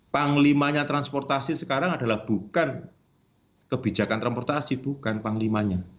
panglimanya transportasi sekarang adalah bukan kebijakan transportasi bukan panglimanya